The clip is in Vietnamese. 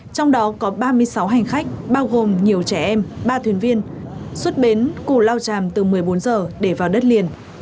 trong đó có ba mươi sáu hành khách bao gồm nhiều trẻ em ba thuyền viên xuất bến cù lao tràm từ một mươi bốn giờ để vào đất liền